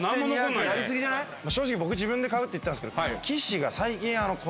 正直僕自分で買うって言ったんですけど。